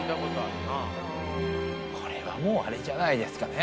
これはもうあれじゃないですかね。